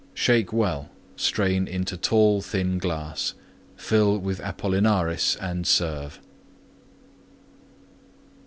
Shake well; strain into tall, thin glass; fill with Apollinaris and serve.